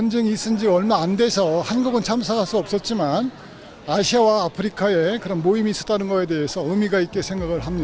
tetapi asia dan afrika memiliki pergabungan yang berarti